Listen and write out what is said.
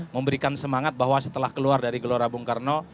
memberikan semangat bahwa setelah keluar dari gelora bung karno